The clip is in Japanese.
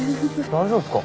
大丈夫ですか？